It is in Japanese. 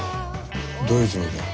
どういうつもりだ。